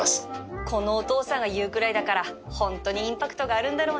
このお父さんが言うぐらいだからホントにインパクトがあるんだろうな